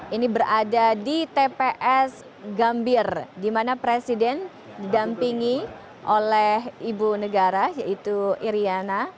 ini berada di tps gambir di mana presiden didampingi oleh ibu negara yaitu iryana